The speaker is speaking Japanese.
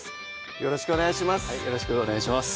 よろしくお願いします